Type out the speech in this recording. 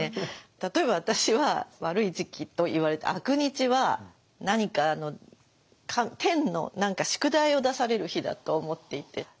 例えば私は悪い時期といわれた悪日は何かあの天の何か宿題を出される日だと思っていて。